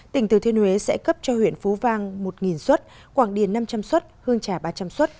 tỉnh thứ thiên huế sẽ cấp cho huyện phú vang một suất quảng điền năm trăm linh suất hương trà ba trăm linh suất